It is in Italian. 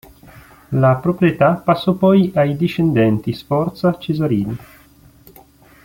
La proprietà passò poi ai discendenti Sforza Cesarini.